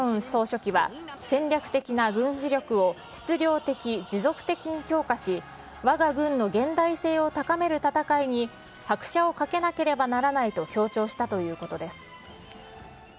総書記は、戦略的な軍事力を質量的、持続的に強化し、わが軍の現代性を高める闘いに拍車をかけなければならないと強調したということです。